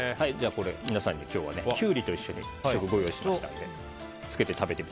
皆さんにキュウリと一緒に試食ご用意しました。